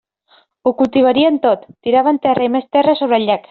Ho cultivarien tot; tiraven terra i més terra sobre el llac.